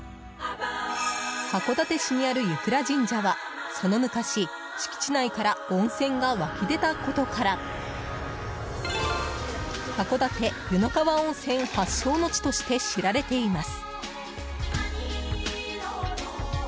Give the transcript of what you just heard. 函館市にある湯倉神社はその昔、敷地内から温泉が湧き出たことから函館・湯の川温泉発祥の地として知られています。